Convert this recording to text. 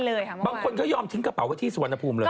บางคนเขายอมทิ้งกระเป๋าไว้ที่สุวรรณภูมิเลย